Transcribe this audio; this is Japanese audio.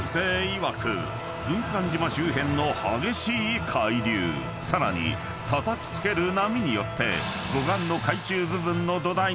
いわく軍艦島周辺の激しい海流さらにたたきつける波によって護岸の］